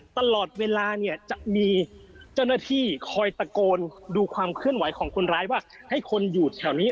ตลอดเวลาเนี่ยจะมีเจ้าหน้าที่คอยตะโกนดูความเคลื่อนไหวของคนร้ายว่าให้คนอยู่แถวนี้